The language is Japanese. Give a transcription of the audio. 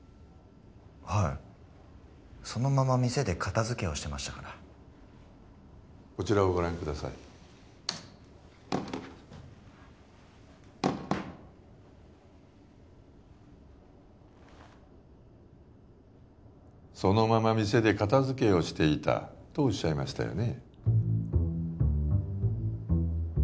はいそのまま店で片付けをしてましたからこちらをご覧ください「そのまま店で片付けをしていた」とおっしゃいましたよね？